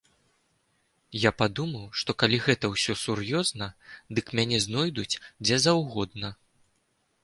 Я падумаў, што калі гэта ўсё сур'ёзна, дык мяне знойдуць дзе заўгодна.